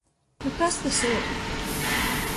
Nu kas tas ir?